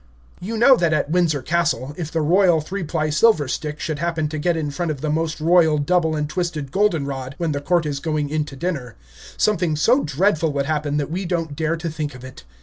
You know that at Windsor Castle, if the Royal Three Ply Silver Stick should happen to get in front of the Most Royal Double and Twisted Golden Rod, when the court is going in to dinner, something so dreadful would happen that we don't dare to think of it.